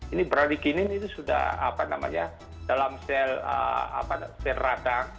ini bradikinin itu sudah apa namanya dalam sel radang